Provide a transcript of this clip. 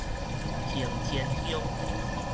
行天宮